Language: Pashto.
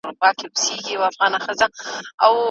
ولي په جلال اباد کي د صنعت لپاره د ټیم کار مهم دی؟